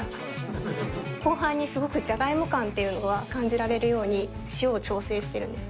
後半にすごくじゃがいも感っていうのが感じられるように、塩を調整してるんです。